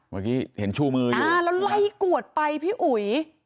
เมื่อกี้เห็นชูมือแล้วไล่กวดไปพี่อุ๋ย